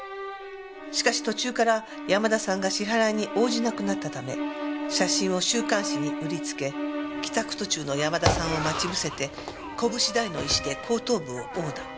しかし途中から山田さんが支払いに応じなくなったため写真を週刊誌に売りつけ帰宅途中の山田さんを待ち伏せてこぶし大の石で後頭部を殴打。